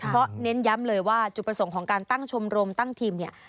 เพราะเน้นย้ำเลยว่าจุดประสงค์ของการตั้งชมรมตั้งทีมเนี่ย